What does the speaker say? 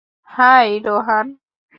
High, Rohan.